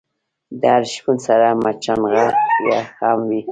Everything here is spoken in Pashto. د هر شپون سره مچناغزه هم وی.